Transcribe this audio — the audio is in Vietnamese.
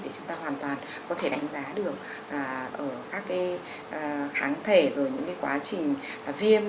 để chúng ta hoàn toàn có thể đánh giá được ở các cái kháng thể rồi những cái quá trình viêm